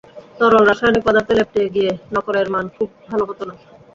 তরল রাসায়নিক পদার্থ লেপটে গিয়ে নকলের মান খুব ভালো হতো না।